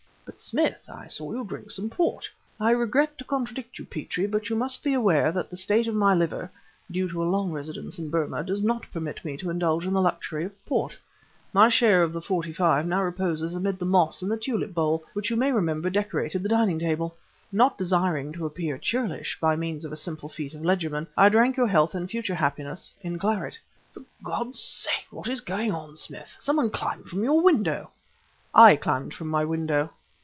"But, Smith, I saw you drink some port." "I regret to contradict you, Petrie, but you must be aware that the state of my liver due to a long residence in Burma does not permit me to indulge in the luxury of port. My share of the '45 now reposes amid the moss in the tulip bowl, which you may remember decorated the dining table! Not desiring to appear churlish, by means of a simple feat of legerdemain I drank your health and future happiness in claret! "For God's sake what is going on, Smith? Some one climbed from your window." "I climbed from my window!"